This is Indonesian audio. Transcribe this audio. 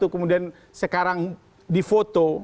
kemudian sekarang di foto